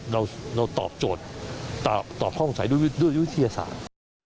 เราเราตอบโจทย์ตอบตอบความคงใสด้วยด้วยวิทยาศาสตร์